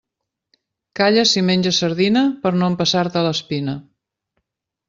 Calla si menges sardina per no empassar-te l'espina.